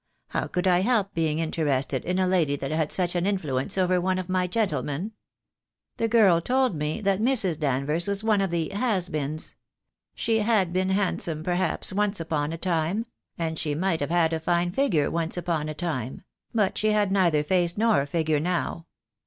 How could I help being interested in a lady that had such an in fluence over one of my gentlemen? The girl told me that Mrs. Danvers was one of the 'has beens.' She had been handsome, perhaps, once upon a time; and she might have had a fine figure once upon a time; but she had neither face nor figure now.